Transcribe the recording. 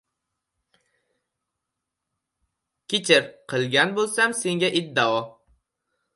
Kechir, qilgan bo‘lsam senga iddao.